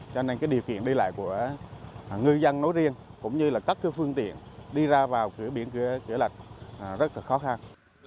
cho nên điều kiện đi lại của người dân nối riêng cũng như các phương tiện đi ra vào cửa biển cửa lạch rất khó khăn